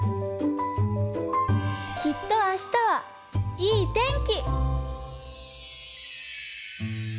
きっと明日はいい天気。